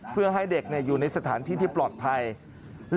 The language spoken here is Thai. เพื่อให้เด็กอยู่ในสถานที่แปลกไพร